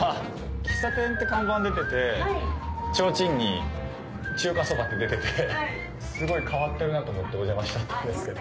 喫茶店って看板出ててちょうちんに中華そばと出ててすごい変わってるなと思ってお邪魔しちゃったんですけど。